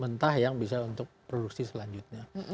mentah yang bisa untuk produksi selanjutnya